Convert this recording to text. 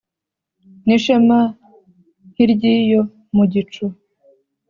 N'Ishema nk'iry'iyo mu gicu